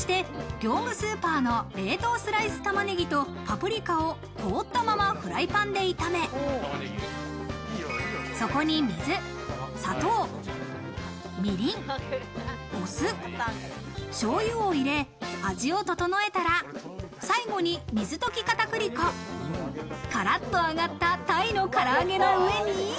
そして業務スーパーの冷凍スライス玉ねぎとパプリカを凍ったままフライパンで炒め、そこに水、砂糖、みりん、お酢、しょうゆを入れ、味を調えたら、最後に水溶き片栗粉、カラッと上がったタイのから揚げの上に。